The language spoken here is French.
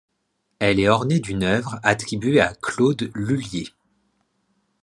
Elle est ornée d'une œuvre attribuée à Claude Lullier.